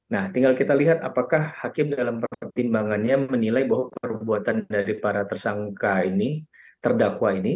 nah tinggal kita lihat apakah hakim dalam pertimbangannya menilai bahwa perbuatan dari para tersangka ini terdakwa ini